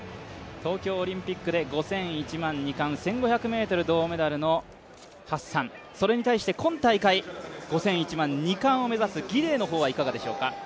東京オリンピックで５０００、１００００ｍの２冠、１５００ｍ銅メダルのハッサン、それに対して今大会５０００、１００００、２冠を目指すギデイはどうでしょうか。